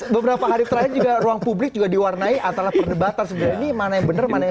beberapa hari terakhir ruang publik juga diwarnai atas debatan sebenarnya mana yang bener mana yang